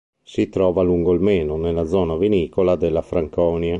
Si trova lungo il Meno, nella zona vinicola della Franconia.